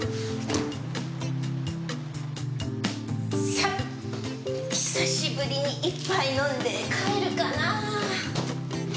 さっ久し振りに１杯飲んで帰るかなぁ。